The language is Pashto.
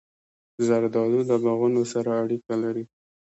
زردالو له باغونو سره اړیکه لري.